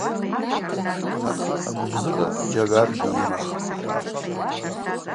Агвыбзыгъа джьагӏвагӏвгьи йымахпӏ.